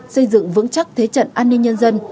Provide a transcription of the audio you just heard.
xây dựng vững chắc thế trận an ninh nhân dân